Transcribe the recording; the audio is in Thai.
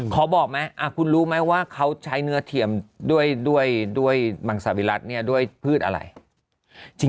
ขอบอกไหมคุณรู้ไหมว่าเขาใช้เนื้อเทียมด้วยมังสวิรัติเนี่ยด้วยพืชอะไร